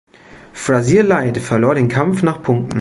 Frazier-Lyde verlor den Kampf nach Punkten.